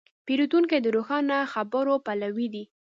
پیرودونکی د روښانه خبرو پلوی دی.